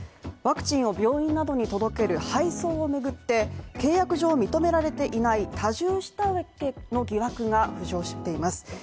ワクチンを病院などに届ける配送をめぐって、契約上認められていない、多重下請けの疑惑が浮上しています。